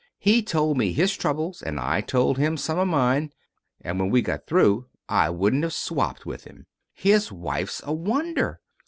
He told me his troubles, and I told him some of mine, and when we got through I wouldn't have swapped with him. His wife's a wonder.